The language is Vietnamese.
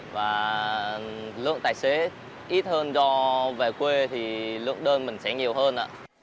và lượng tài xế ít hơn do về quê thì lượng đơn mình sẽ nhiều hơn